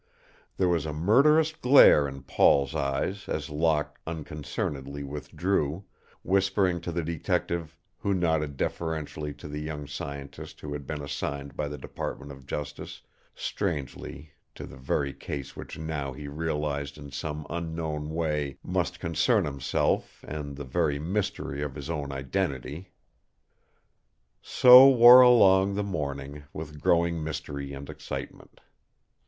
There was a murderous glare in Paul's eyes as Locke unconcernedly withdrew, whispering to the detective, who nodded deferentially to the young scientist who had been assigned by the Department of Justice, strangely, to the very case which now he realized in some unknown way must concern himself and the very mystery of his own identity. So wore along the morning, with growing mystery and excitement.